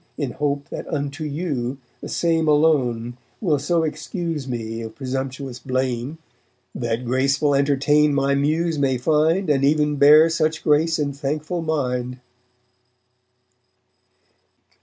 In hope that unto you the same alone Will so excuse me of presumptuous blame, That graceful entertain my Muse may find And even bear such grace in thankful mind_.